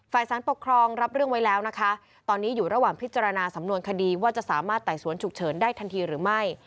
ฝ่ายสารปกครองรับเรื่องไว้แล้วนะคะตอนนี้อยู่ระหว่างพิจารณาสำนวนคดีว่าจะสามารถไต่สวนฉุกเฉินได้ทันทีหรือไม่